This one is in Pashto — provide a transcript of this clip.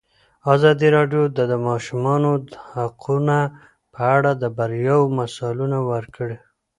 ازادي راډیو د د ماشومانو حقونه په اړه د بریاوو مثالونه ورکړي.